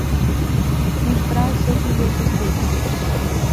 Mostrà els seus millors vestits.